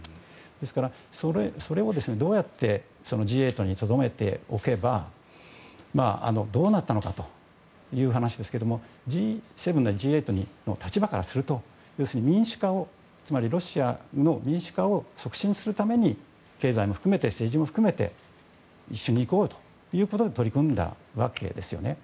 ですから、それをどうやってＧ８にとどめておけばどうなったのかという話ですけれどもＧ７なり、Ｇ８の立場からするとロシアの民主化を促進するために経済も含めて、政治も含めて一緒にいこうということで取り組んだわけですよね。